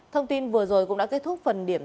thông tin vừa rồi cũng đã kết thúc phần điểm